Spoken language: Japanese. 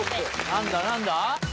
何だ何だ？